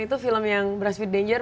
itu film yang brass with danger